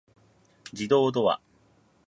自動ドア